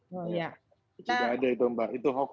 tidak ada itu mbak itu hoax